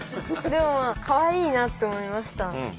でもかわいいなって思いました。